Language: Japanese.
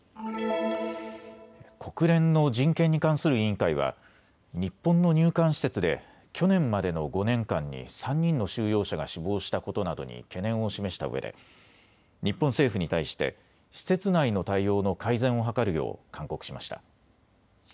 国連の人権に関する委員会は日本の入管施設で去年までの５年間に３人の収容者が死亡したことなどに懸念を示したうえで日本政府に対して施設内の対応の改善を図るよう勧告しました。